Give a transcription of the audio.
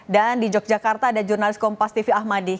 dan di yogyakarta ada jurnalis kompastv ahmadie